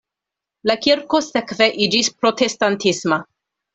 La kirko sekve iĝis protestantisma.